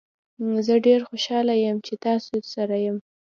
زه ډیر خوشحاله یم چې تاسو سره یم.